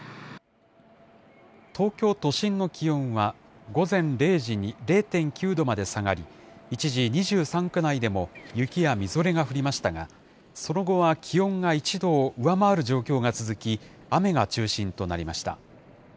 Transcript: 東京都心の気温は午前０時に０．９度まで下がり、一時、２３区内でも雪やみぞれが降りましたが、その後は気温が１度を上回る状況が続き、雨が中心となりました。